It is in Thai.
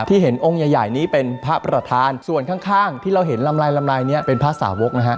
เห็นองค์ใหญ่นี้เป็นพระประธานส่วนข้างที่เราเห็นลำลายลำลายนี้เป็นพระสาวกนะฮะ